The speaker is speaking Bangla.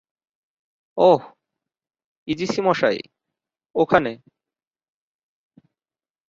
ওহ, ইজিচি মশাই, ওখানে।